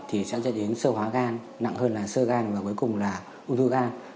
thì sẽ dẫn đến sơ hóa gan nặng hơn là sơ gan và cuối cùng là ung thư gan